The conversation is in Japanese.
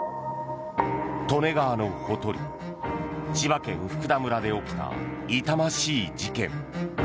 利根川のほとり千葉県福田村で起きた痛ましい事件。